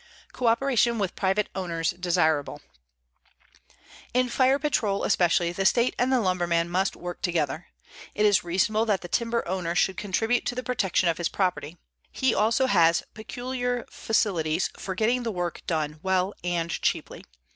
CO OPERATION WITH PRIVATE OWNERS DESIRABLE In fire patrol, especially, the state and the lumberman must work together. It is reasonable that the timber owner should contribute to the protection of his property. He also has peculiar facilities for getting the work done well and cheaply.